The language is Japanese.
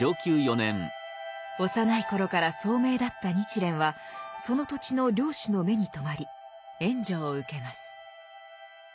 幼い頃から聡明だった日蓮はその土地の領主の目に留まり援助を受けます。